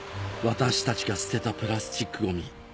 私たちが捨てたプラスチックゴミ